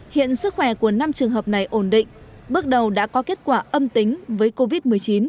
hiện sức khỏe của năm trường hợp này ổn định bước đầu đã có kết quả âm tính với covid một mươi chín